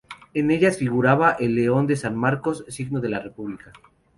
En ellas figuraba el León de San Marcos, signo de la República.